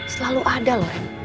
selalu ada loh ren